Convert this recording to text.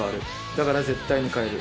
だから絶対に変える。